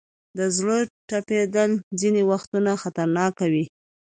د زړه ټپېدل ځینې وختونه خطرناک وي.